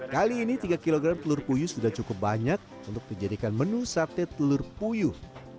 kali ini tiga kg telur puyuh sudah cukup banyak untuk dijadikan menu sate telur puyuh